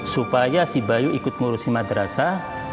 supaya si bayu ikut ngurusi madrasah